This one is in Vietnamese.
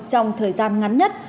trong thời gian ngắn nhất